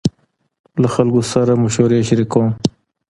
له خلکو سره مشورې شريکوم.